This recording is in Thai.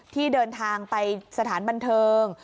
ที่เดินทางไปสถานบันเทิง